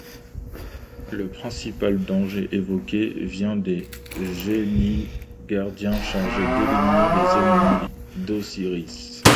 Le principal danger évoqué vient des génies-gardiens chargés d'éliminer les ennemis d'Osiris.